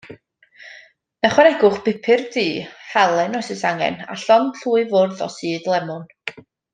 Ychwanegwch bupur du, halen os oes angen, a llond llwy fwrdd o sudd lemwn.